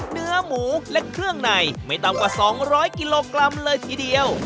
เนื้อหมูและเครื่องในไม่ต่ำกว่า๒๐๐กิโลกรัมเลยทีเดียว